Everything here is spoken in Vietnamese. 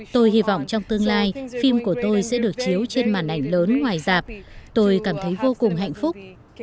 tôi hy vọng trong tương lai phim của tôi sẽ được chiếu trên màn ảnh lớn ngoài dạp tôi cảm thấy vô cùng hạnh phúc